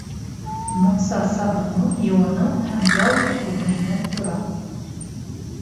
Мунса сабыныу, йыуыныу һәм ял итеү бүлмәһенән тора